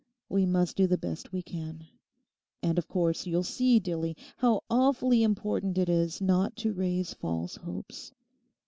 We must do the best we can. And of course you'll see, Dillie, how awfully important it is not to raise false hopes.